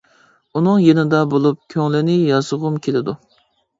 ئۇنىڭ يېنىدا بولۇپ، كۆڭلىنى ياسىغۇم كېلىدۇ.